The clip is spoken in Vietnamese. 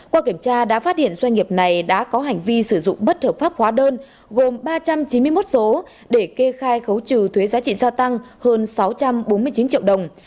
qua kiểm tra đã phát hiện doanh nghiệp này đã có hành vi sử dụng bất hợp pháp hóa đơn gồm ba trăm chín mươi một số để kê khai khấu trừ thuế giá trị gia tăng hơn sáu trăm bốn mươi chín triệu đồng